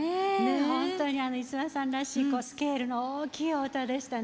本当に五輪さんらしいスケールの大きいお歌でしたね。